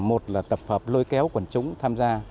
một là tập hợp lôi kéo quần chúng tham gia